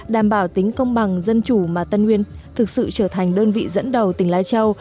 đảm bảo tính công bằng dân chủ mà tân nguyên thực sự trở thành đơn vị dẫn đầu tỉnh lai châu